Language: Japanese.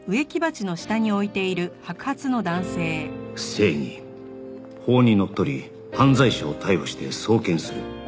正義法にのっとり犯罪者を逮捕して送検する